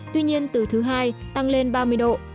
tăng lên ba mươi độ